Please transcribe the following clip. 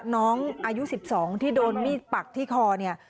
น้องอายุ๑๒ที่โดนมีดปักที่คอเนี่ย